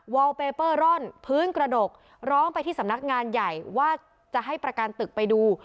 อลเปเปอร์ร่อนพื้นกระดกร้องไปที่สำนักงานใหญ่ว่าจะให้ประกันตึกไปดู